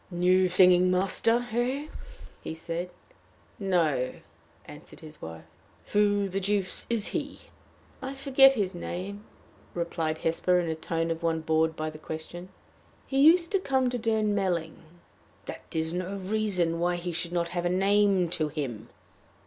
"New singing master, eh?" he said. "No," answered his wife. "Who the deuce is he?" "I forget his name," replied Hesper, in the tone of one bored by question. "He used to come to Durnmelling." "That is no reason why he should not have a name to him."